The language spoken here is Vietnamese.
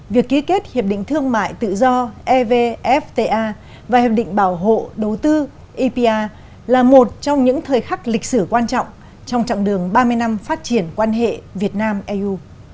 việc ký kết hiệp định thương mại tự do evfta và hiệp định bảo hộ đầu tư epa là một trong những thời khắc lịch sử quan trọng trong chặng đường ba mươi năm phát triển quan hệ việt nam eu